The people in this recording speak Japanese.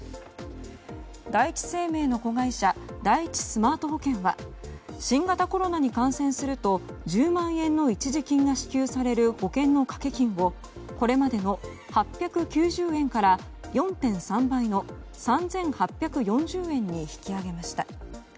第一生命の子会社第一スマート保険は新型コロナに感染すると１０万円の一時金が支給される保険の掛け金をこれまでの８９０円から４．３倍の３８４０円に引き上げました。